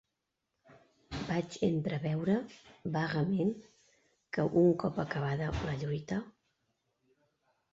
Vaig entreveure, vagament, que, un cop acabada la lluita...